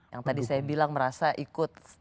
yang tadi saya bilang merasa ikut